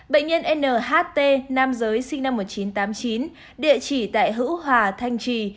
bệnh nhân nht nam giới sinh năm một nghìn chín trăm tám mươi chín địa chỉ tại hữu hòa thanh trì